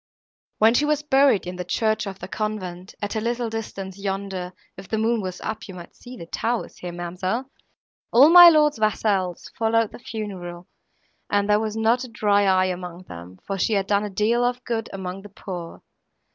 When she was buried in the church of the convent, at a little distance yonder, if the moon was up you might see the towers here, ma'amselle, all my lord's vassals followed the funeral, and there was not a dry eye among them, for she had done a deal of good among the poor.